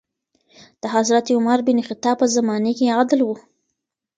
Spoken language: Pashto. د حضرت عمر بن خطاب په زمانې کي عدل و.